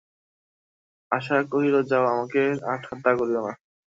আশা কহিল, যাও, আমাকে আর ঠাট্টা করিয়ো না।